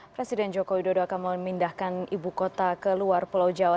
presiden joko widodo akan memindahkan ibu kota ke luar pulau jawa